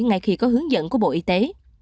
ngay khi có hướng dẫn của bộ y tế